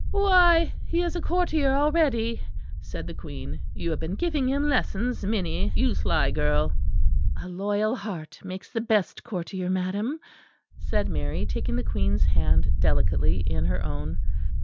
"Why, he is a courtier already," said the Queen. "You have been giving him lessons, Minnie, you sly girl." "A loyal heart makes the best courtier, madam," said Mary, taking the Queen's hand delicately in her own.